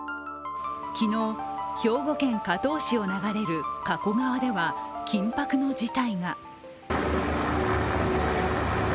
昨日、兵庫県加東市を流れる加古川では緊迫の事態が。